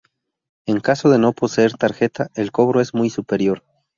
En caso de no poseer tarjeta, el cobro es muy superior.